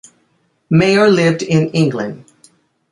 Mayer lived in England.